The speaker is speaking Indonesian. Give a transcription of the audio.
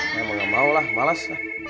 emang ga mau lah malas